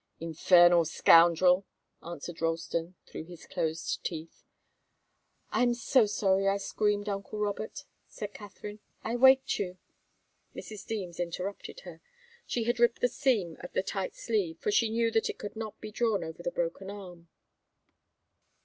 "Infernal scoundrel!" answered Ralston, through his closed teeth. "I'm so sorry I screamed, uncle Robert," said Katharine. "I waked you " Mrs. Deems interrupted her. She had ripped the seam of the tight sleeve, for she knew that it could not be drawn over the broken arm.